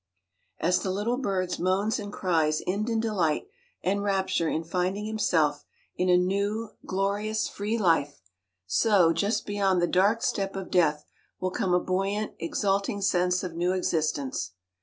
As the little bird's moans and cries end in delight and rapture in finding himself in a new, glorious, free life; so, just beyond the dark step of death, will come a buoyant, exulting sense of new existence.